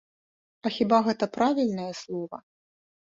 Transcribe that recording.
А хіба гэта правільнае слова?